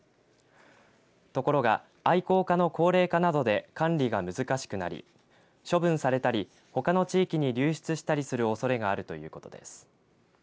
ところが愛好家などの高齢化などで管理が難しくなり処分されたり、ほかの地域に流出したりするおそれがあるということです。